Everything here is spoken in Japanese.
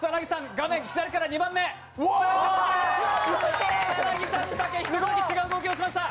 画面左から２番目草薙さんだけ１人違う動きをしました。